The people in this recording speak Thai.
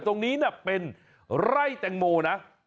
ตรงนี้เป็นไร่แตงโมนะ